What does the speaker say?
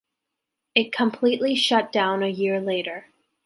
It completely shut down a year later.